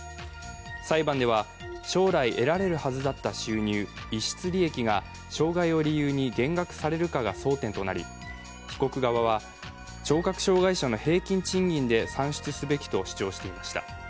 裁判では将来得られるはずだった収入、逸失利益が障害を理由に減額されるかが争点となり被告側は聴覚障害者の平均賃金で算出すべきと主張していました。